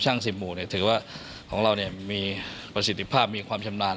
ช่างสิบหมู่เนี่ยถือว่าของเราเนี่ยมีประสิทธิภาพมีความชำนาญ